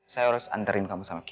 saya harus anterin kamu sama aku